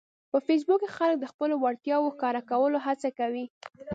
په فېسبوک کې خلک د خپلو وړتیاوو ښکاره کولو هڅه کوي